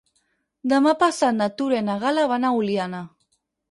Demà passat na Tura i na Gal·la van a Oliana.